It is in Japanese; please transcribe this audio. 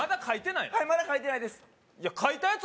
いや、書いてないですよ。